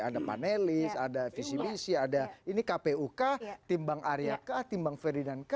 ada panelis ada visi misi ada ini kpuk timbang arya k timbang ferdinand k